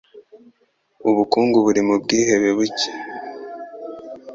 Ubukungu buri mu bwihebe buke.